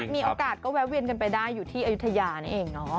มีโอกาสก็แวะเวียนกันไปได้อยู่ที่อายุทยานั่นเองเนาะ